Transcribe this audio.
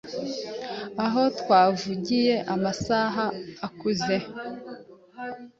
aho twahavuye amasaha akuze,